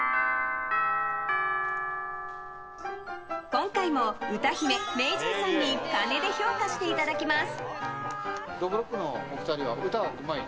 今回も歌姫ＭａｙＪ．さんに鐘で評価していただきます。